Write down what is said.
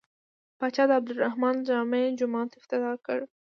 پاچا د عبدالرحمن جامع جومات افتتاح کړ.